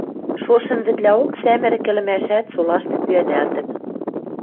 Шошым вӹдлӓок сӓмӹрӹк ӹлӹмӓшӓт солашты пӱӓнӓлтӹн.